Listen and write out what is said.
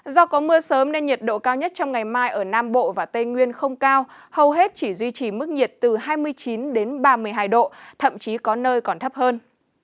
do có mưa sớm nên nhiệt độ cao nhất trong ngày mai ở nam bộ và tây nguyên không cao hầu hết chỉ duy trì mức nhiệt từ hai mươi chín đến ba mươi hai độ thậm chí có nơi còn thấp hơn